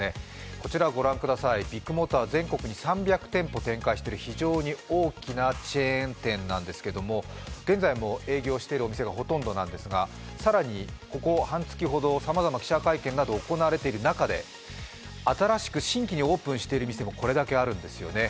こちらご覧ください、ビッグモーターは全国に３００店舗展開している非常に大きなチェーン店なんですけども現在も営業しているお店がほとんどなんですが更にここ半月ほど、さまざまな記者会見などが行われている中で新しく新規にオープンしている店もこれだけあるんですよね。